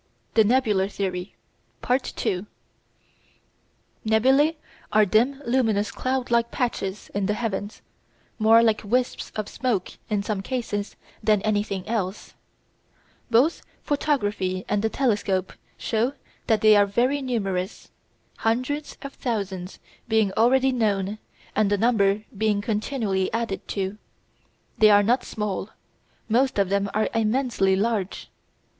THE NEBULAR THEORY § 2 Nebulæ are dim luminous cloud like patches in the heavens, more like wisps of smoke in some cases than anything else. Both photography and the telescope show that they are very numerous, hundreds of thousands being already known and the number being continually added to. They are not small. Most of them are immensely large.